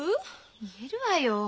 言えるわよ。